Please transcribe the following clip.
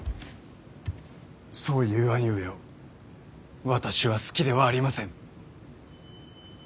そういう兄上を私は好きではありません。